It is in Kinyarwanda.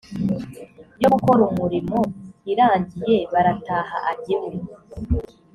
yo gukora umurimo irangiye barataha ajya iwe